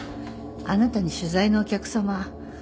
あなたに取材のお客さま。